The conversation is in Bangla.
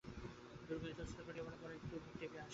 দুর্গা ইতস্তত করিতে লাগিল, পরে একটু মুখ টিপিয়া হাসিল।